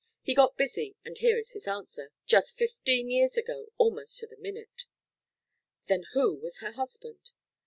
He got busy and here is his answer just fifteen years ago almost to the minute." "Then who was her husband?"